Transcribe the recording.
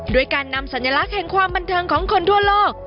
ด้วยการนำสัญลักษณ์แห่งความบันเทิงของคนทั่วโลก